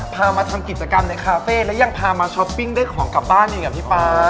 มาทำกิจกรรมในคาเฟ่แล้วยังพามาช้อปปิ้งได้ของกลับบ้านอีกอ่ะพี่ป๊า